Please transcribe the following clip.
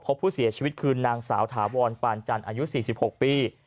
พบผู้เสียชีวิตคือนางสาวถาวรปานจันทร์อายุ๔๖ปี